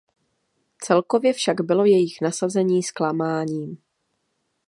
Celkově však bylo jejich nasazení zklamáním.